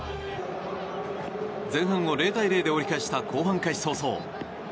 前半を０対０で折り返した後半開始早々。